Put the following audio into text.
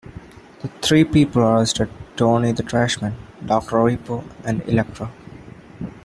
The three people arrested were "Tony the Trashman," "Doctor Ripco," and "Electra.